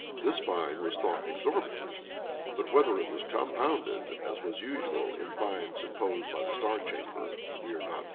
[v*] This fine was thought exorbitant; but whether it was compounded, as was usual in fines imposed by the star chamber, we are not informed.